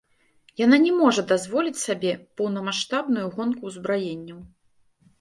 Яна не можа дазволіць сабе поўнамаштабную гонку ўзбраенняў.